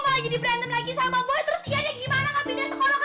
terus ianya gimana